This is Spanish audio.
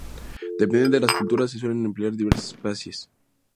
Dependiendo de las culturas se suelen emplear diversas especias.